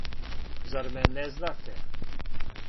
Зар ме не знате?